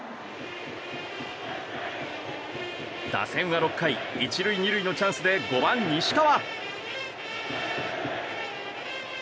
打線は６回１塁２塁のチャンスで５番、西川。